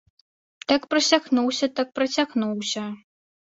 Так прасякнуўся, так прасякнуўся.